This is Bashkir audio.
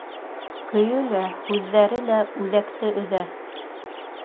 Көйө лә, һүҙҙәре лә үҙәкте өҙә: